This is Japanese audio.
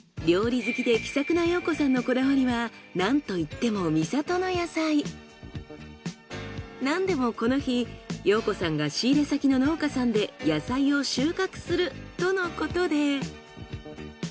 料理好きで気さくな陽子さんのこだわりはなんといってもなんでもこの日陽子さんが仕入れ先の農家さんで野菜を収穫するとのことで。